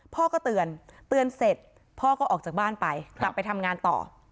พ่อก็เตือนเตือนเสร็จพ่อก็ออกจากบ้านไปกลับไปทำงานต่อ